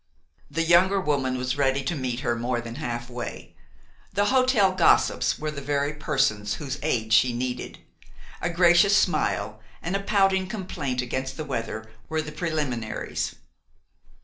The younger woman was ready to meet her more than halfway. The hotel gossips were the very persons whose aid she needed. A gracious smile and a pouting complaint against the weather were the preliminaries.